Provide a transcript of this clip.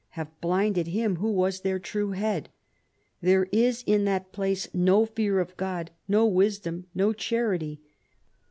have blinded him who was their true head. There is in that place no fear of God, no wisdom, no charity.